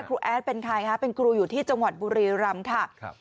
ครูแอ๊สเป็นใครนะคะเป็นกูรูอยู่ที่จังหวัดบริรรมค่ะ